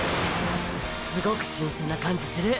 すごく新鮮な感じする！！